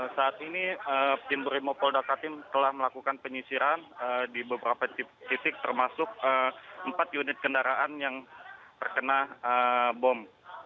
saat ini tim brimopolda katim telah melakukan penyisiran di beberapa titik termasuk empat unit kendaraan yang terkena bom